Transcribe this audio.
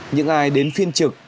những ai đến phiên trực